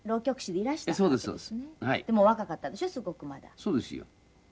そうですよ。